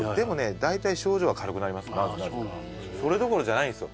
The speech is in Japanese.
大体症状は軽くなりますそれどころじゃないんですよ